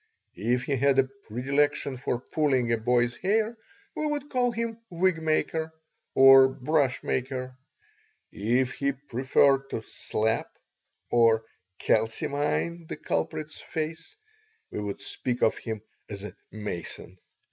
If he had a predilection for pulling a boy's hair we would call him "wig maker" or "brush maker"; if he preferred to slap or "calcimine" the culprit's face we would speak of him as a mason.